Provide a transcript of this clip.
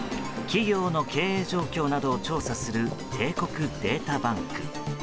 企業の経営状況などを調査する帝国データバンク。